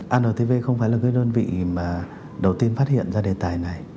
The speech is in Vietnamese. antv không phải là cái đơn vị mà đầu tiên phát hiện ra đề tài này